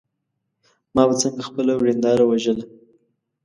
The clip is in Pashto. ما به څنګه خپله ورېنداره وژله.